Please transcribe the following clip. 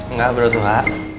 nggak bro suha